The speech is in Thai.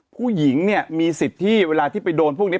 ผู้หญิงเนี่ยมีสิทธิ์ที่เวลาที่ไปโดนพวกนี้